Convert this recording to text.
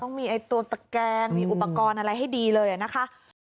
มีตัวตะแกงมีอุปกรณ์อะไรให้ดีเลยนะคะ